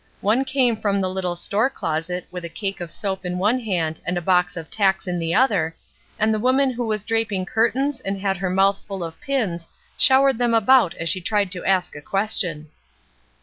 One came from the httle store closet with a cake of soap in one hand and a box of tacks in the other, and the woman who was draping curtains and had her mouth full of pins showered them about as she tried to ask a question.